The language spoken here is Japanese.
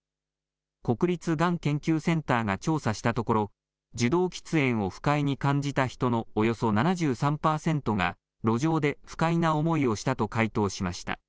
国立がん研究センターが調査したところ受動喫煙を不快に感じた人のおよそ７３％が路上で不快な思いをしたと回答しました。